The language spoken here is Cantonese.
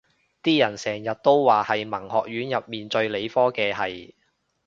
啲人成日都話係文學院入面最理科嘅系